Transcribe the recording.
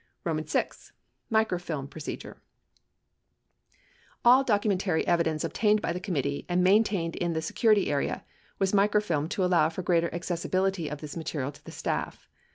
VI. MICROFILM PROCEDURE All documentary evidence obtained by the committee and maintained in the security area was microfilmed to allow for greater accessibility of this material to the staff.